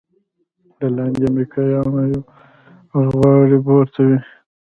له لاندې د امريکايانو بوغارې پورته وې.